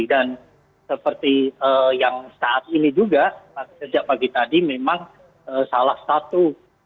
dan seperti yang saat ini juga sejak pagi tadi memang salah satu